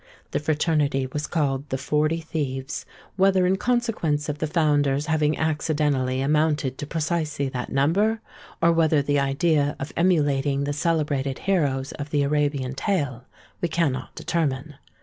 The fraternity was called The Forty Thieves;—whether in consequence of the founders having accidentally amounted to precisely that number, or whether with the idea of emulating the celebrated heroes of the Arabian tale, we cannot determine.